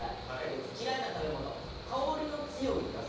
嫌いな食べ物香りの強い野菜。